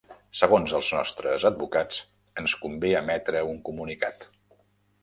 Segons els nostres advocats, ens convé emetre un comunicat.